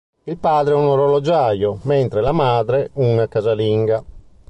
Il padre è un orologiaio, mentre la madre una casalinga.